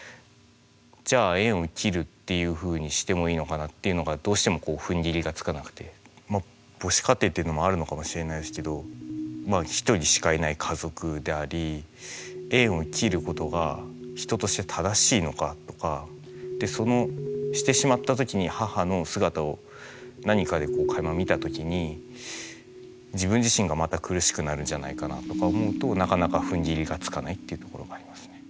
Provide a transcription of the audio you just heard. じゃあ縁を切るっていうふうにしてもいいのかなっていうのがどうしてもこうふんぎりがつかなくて母子家庭っていうのもあるのかもしれないですけど一人しかいない家族でありしてしまった時に母の姿を何かでかいま見た時に自分自身がまた苦しくなるんじゃないかなあとか思うとなかなかふんぎりがつかないっていうところがありますね。